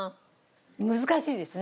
難しいですね。